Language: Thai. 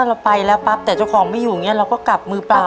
เราไปแล้วปั๊บแต่เจ้าของไม่อยู่อย่างนี้เราก็กลับมือเปล่า